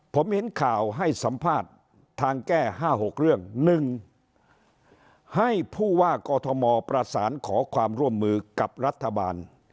ผมเห็นข่าวให้สัมภาษณ์ทางแก้๕๖เรื่อง๑ให้ผู้ว่ากอทมประสานขอความร่วมมือกับรัฐบาล